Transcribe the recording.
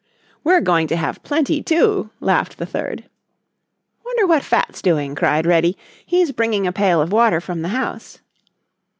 "We're going to have plenty, too," laughed the third. "Wonder what Fat's doing?" cried Reddy. "He's bringing a pail of water from the house."